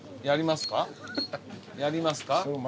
やりますか？